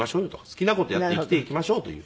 好きな事やって生きていきましょうという。